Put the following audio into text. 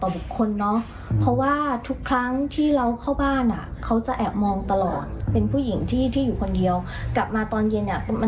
แบบแจ้งไปโอเคแหละเขามาแต่ว่าเขาก็บอกจะดำเนินคดีให้เนาะ